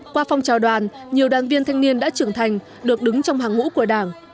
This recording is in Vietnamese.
qua phong trào đoàn nhiều đoàn viên thanh niên đã trưởng thành được đứng trong hàng ngũ của đảng